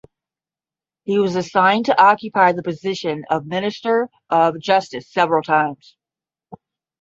He was assigned to occupy the position of Minister of Justice several times.